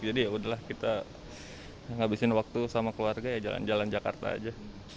jadi yaudahlah kita ngabisin waktu sama keluarga jalan jalan jakarta aja